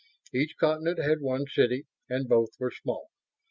Each continent had one city, and both were small.